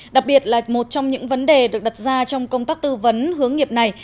đặc biệt là một trong những vấn đề được đặt ra trong công tác tư vấn hướng nghiệp này